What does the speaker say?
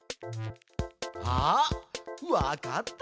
あわかった。